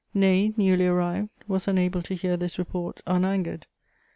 Ney, newly arrived, was unable to hear this report unangered.